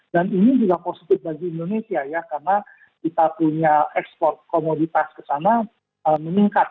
dan ini juga positif bagi indonesia ya karena kita punya ekspor komoditas kesana meningkat